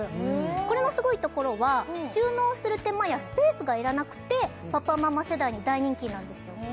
これのすごいところは収納する手間やスペースが要らなくてパパママ世代に大人気なんですよ